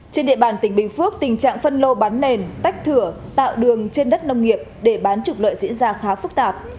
trên địa bàn tỉnh bình phước tình trạng phân lô bán nền tách thửa tạo đường trên đất nông nghiệp để bán trục lợi diễn ra khá phức tạp